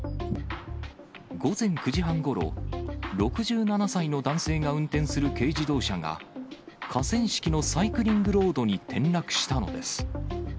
午前９時半ごろ、６７歳の男性が運転する軽自動車が、河川敷のサイクリングロードに転落したのです。